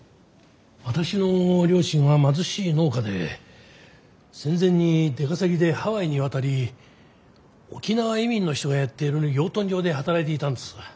私の両親は貧しい農家で戦前に出稼ぎでハワイに渡り沖縄移民の人がやっている養豚場で働いていたんです。